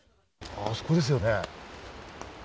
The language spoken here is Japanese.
あそこですよね。